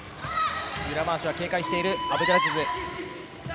裏回しは警戒しているアブデラジズ。